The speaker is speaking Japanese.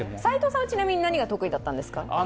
齋藤さんは、ちなみに何が得意だったんですか。